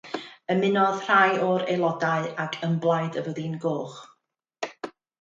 Ymunodd rhai o'r aelodau ag Ymblaid y Fyddin Goch.